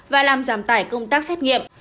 và làm giảm tải công tác xét nghiệm